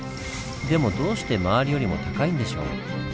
でもどうして周りよりも高いんでしょう？